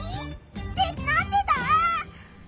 ってなんでだ？